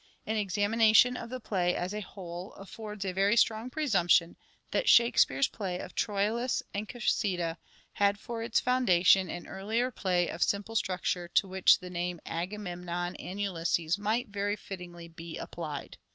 An examination of the play as a whole affords a very strong presumption that Shakespeare's play of " Troilus and Cressida " had for its foundation an earlier play of simple structure to which the name of 314 " SHAKESPEARE " IDENTIFIED " Agamemnon and Ulysses " might very fittingly be applied.